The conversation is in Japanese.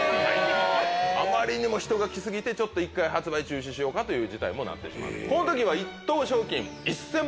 あまりにも人が来過ぎて一回発売中止しようかという事態にもなってしまった。